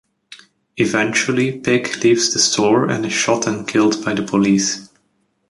Eventually Pig leaves the store and is shot and killed by the police.